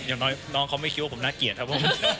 อย่างน้อยน้องเขาไม่คิดว่าผมน่าเกลียดครับผม